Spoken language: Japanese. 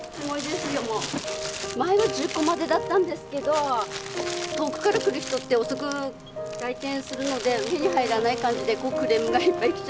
前は１０個までだったんですけど遠くから来る人って遅く来店するので手に入らない感じでクレームがいっぱい来ちゃって。